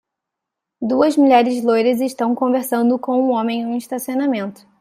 Duas mulheres loiras estão conversando com um homem em um estacionamento.